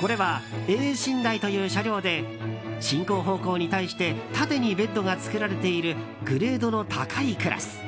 これはＡ寝台という車両で進行方向に対して縦にベッドが作られているグレードの高いクラス。